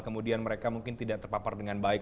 kemudian mereka mungkin tidak terpapar dengan baik